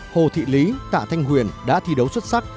hồ thị lý tạ thanh huyền đã thi đấu xuất sắc